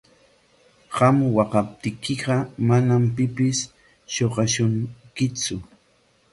Qam waqaptiykiqa manam pipis shuqashunkitsu.